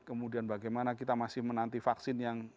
kemudian bagaimana kita masih menanti vaksin yang